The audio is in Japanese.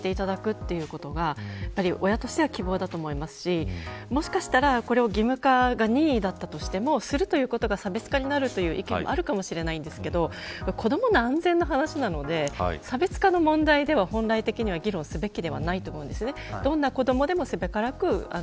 なので、そこは同じように確認をしていただくということが親としては希望だと思いますしもしかしたら義務化が任意だったとしてもするということが差別化になるという意見もあるかもしれないんですけれども子どもの安全の話なので差別化の問題では本来的には議論すべきではないと思います。